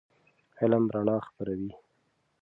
علم رڼا خپروي.